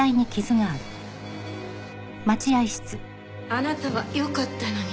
あなたはよかったのに。